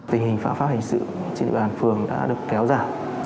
tình hình phạm pháp hình sự trên địa bàn phường đã được kéo giảm